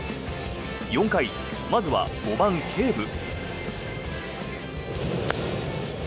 ４回まずは５番、ケーブ。